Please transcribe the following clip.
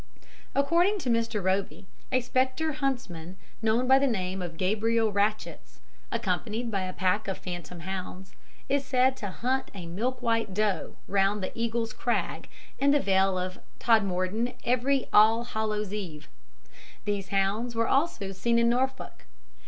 According to Mr. Roby, a spectre huntsman known by the name Gabriel Ratchets, accompanied by a pack of phantom hounds, is said to hunt a milk white doe round the Eagle's Crag in the Vale of Todmorden every All Hallows Eve. These hounds were also seen in Norfolk.